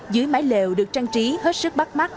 dưới mái lều được trang trí hết sức bắt mắt